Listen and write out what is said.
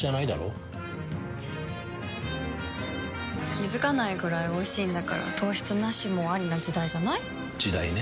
気付かないくらいおいしいんだから糖質ナシもアリな時代じゃない？時代ね。